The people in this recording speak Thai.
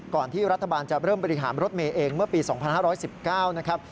ที่รัฐบาลจะเริ่มบริหารรถเมย์เองเมื่อปี๒๕๑๙นะครับ